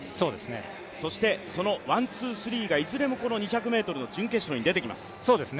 そして、ワン・ツー・スリーがいずれも２００ｍ準決勝に出てきます。